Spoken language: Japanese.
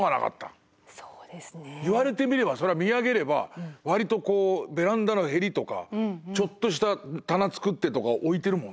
言われてみればそりゃ見上げれば割とこうベランダのへりとかちょっとした棚作ってとか置いてるもんね。